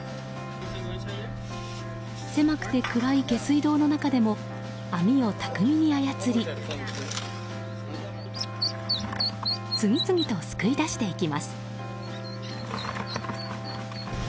狭くて暗い下水道の中でも網を巧みに操り次々と救い出していきます。